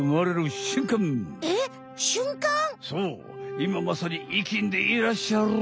いままさにいきんでいらっしゃる。